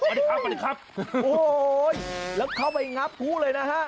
โอ้ยแล้วเข้าไปงับฮู้เลยนะฮะ